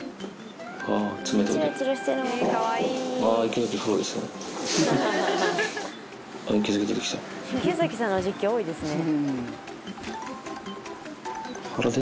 池崎さんの実況多いですね。